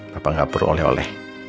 papa gak perlu oleh oleh